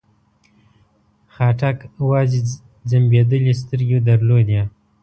خاټک وازې ځمبېدلې سترګې درلودې.